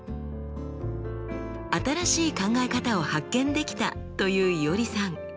新しい考え方を発見できたといういおりさん。